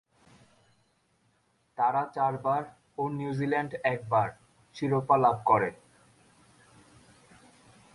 তারা চারবার ও নিউজিল্যান্ড একবার শিরোপা লাভ করে।